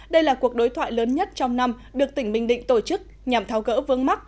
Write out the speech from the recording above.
đây là cuộc đối thoại lớn nhất trong năm được tỉnh bình định tổ chức nhằm tháo gỡ vướng mắt